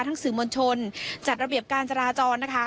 สื่อมวลชนจัดระเบียบการจราจรนะคะ